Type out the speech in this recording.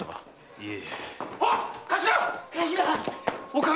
いえ！